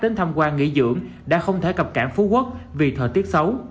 đến tham quan nghỉ dưỡng đã không thể cập cảng phú quốc vì thời tiết xấu